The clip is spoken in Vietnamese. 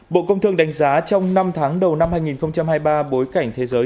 bộ công thương đánh giá trong năm tháng đầu năm hai nghìn hai mươi ba bối cảnh thế giới